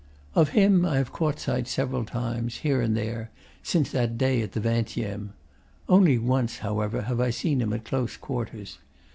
Of him I have caught sight several times, here and there, since that day at the Vingtieme. Only once, however, have I seen him at close quarters.